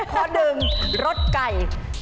ข้อ๑รสไก่